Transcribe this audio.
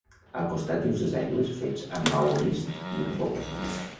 Al costat hi ha uns desaigües fets amb maó vist, i un pou.